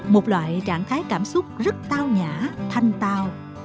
một loại trạng thái cảm xúc rất tao nhã thanh tao